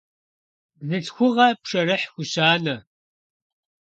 Бзылъхугъэ пшэрыхь хущанэ.